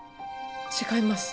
違います。